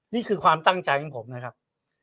นี่คือความตั้งใจของผมนะครับ